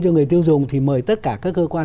cho người tiêu dùng thì mời tất cả các cơ quan